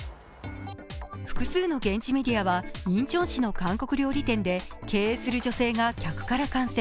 複数の現地メディアはインチョン市の韓国料理店を経営する女性が客から感染。